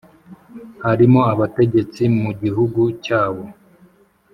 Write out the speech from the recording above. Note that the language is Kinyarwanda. harimo abategetsi mu gihugu cyabo,